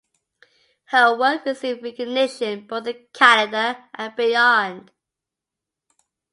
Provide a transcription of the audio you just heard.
Her work received recognition both in Canada and beyond.